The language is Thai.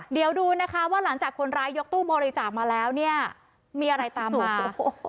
เดี๋ยวดูนะคะว่าหลังจากคนร้ายยกตู้บริจาคมาแล้วเนี่ยมีอะไรตามมา